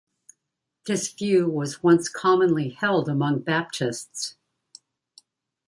This view was once commonly held among Baptists.